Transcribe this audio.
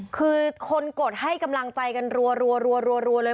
คือคนกดให้กำลังใจกันรัวเลย